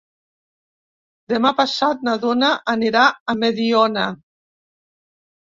Demà passat na Duna anirà a Mediona.